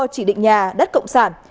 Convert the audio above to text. mua chỉ định nhà đất công sản